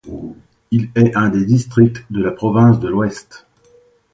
Il est un des districts de la province de l'Ouest.